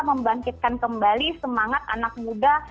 membangkitkan kembali semangat anak muda